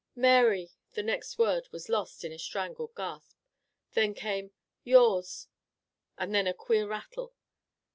"Mary," the next word was lost in a strangled gasp. Then came "yours" and then a queer rattle.